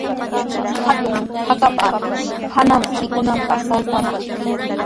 Atuq hakapa hananman mikunanpaq saltanaq.